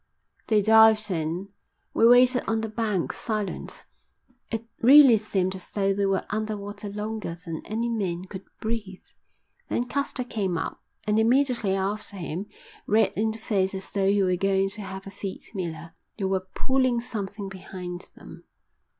They dived in. We waited on the bank, silent. It really seemed as though they were under water longer than any men could breathe. Then Caster came up, and immediately after him, red in the face as though he were going to have a fit, Miller. They were pulling something behind them.